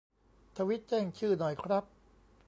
ทวีตแจ้งชื่อหน่อยครับ